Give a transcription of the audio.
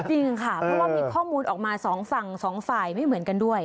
เพราะว่ามีข้อมูลออกมา๒ฝั่ง๒ฝ่ายไม่เหมือนกันด้วย